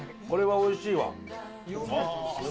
これはおいしいわ。